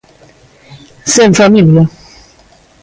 Sen familia.